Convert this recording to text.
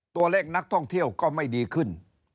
ตัวเลขนักท่องเที่ยวก็ไม่ดีขึ้น